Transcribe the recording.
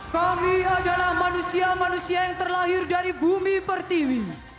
kami adalah manusia manusia yang terlahir dari bumi pertiwi